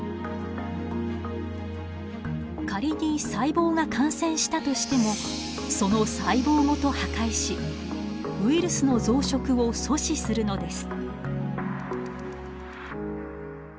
仮に細胞が感染したとしてもその細胞ごと破壊しウイルスの増殖を阻止するのです。